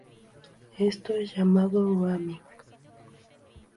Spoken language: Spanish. Esto es llamado "roaming".